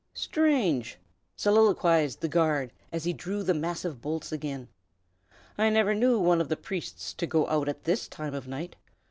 "Strange!" soliloquized the guard, as he drew the massive bolts again. "I never knew one of the priests to go out at this time of night.